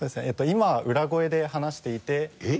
今裏声で話していてえっ？